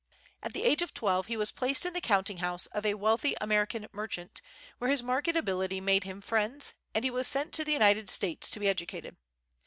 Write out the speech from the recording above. At the age of twelve he was placed in the counting house of a wealthy American merchant, where his marked ability made him friends, and he was sent to the United States to be educated.